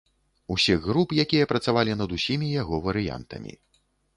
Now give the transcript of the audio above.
Усіх груп, якія працавалі над усімі яго варыянтамі.